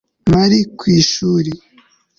nari ku ishuri